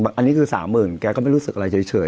อันนี้คือ๓๐๐๐แกก็ไม่รู้สึกอะไรเฉย